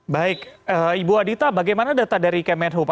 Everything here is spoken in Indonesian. baik ibu adita bagaimana data dari kemenhub